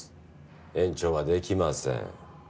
延長はできません。